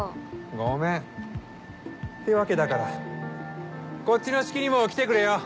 ごめん。ってわけだからこっちの式にも来てくれよ！